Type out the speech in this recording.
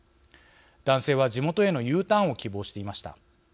男性は地元へのＵターンを希望していました。